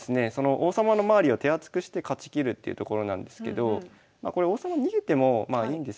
王様の周りを手厚くして勝ちきるっていうところなんですけどこれ王様逃げてもいいんですけど。